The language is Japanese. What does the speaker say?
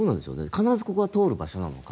必ずここは通る場所なのか。